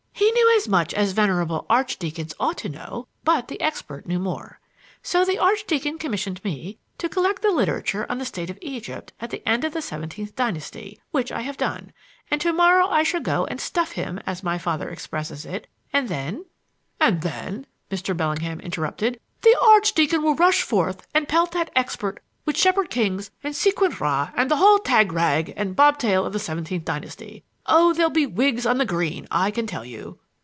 "He knew as much as venerable archdeacons ought to know; but the expert knew more. So the archdeacon commissioned me to collect the literature on the state of Egypt at the end of the seventeenth dynasty, which I have done; and to morrow I shall go and stuff him, as my father expresses it, and then " "And then," Mr. Bellingham interrupted, "the archdeacon will rush forth and pelt that expert with Shepherd Kings and Sequenen Ra and the whole tag rag and bobtail of the seventeenth dynasty. Oh, there'll be wigs on the green, I can tell you."